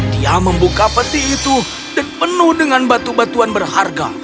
dia membuka peti itu dan penuh dengan batu batuan berharga